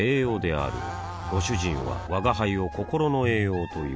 あぁご主人は吾輩を心の栄養という